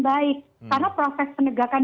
baik karena proses penegakan